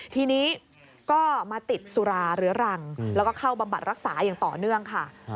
ทีนี้ก็มาติดสุราเรื้อรังแล้วก็เข้าบำบัดรักษาอย่างต่อเนื่องค่ะ